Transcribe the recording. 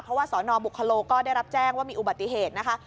เพราะว่าสนบุคโลก็ได้รับแจ้งว่ามีอุบัติเหตุนะคะ